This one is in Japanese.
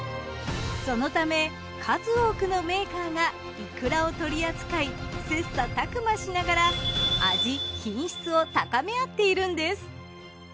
そのため数多くのメーカーがいくらを取り扱い切磋琢磨しながら味品質を高め合っているんです。